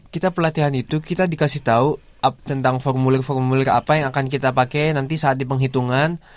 kita pelatihan itu kita dikasih tahu tentang formulir formulir apa yang akan kita pakai nanti saat di penghitungan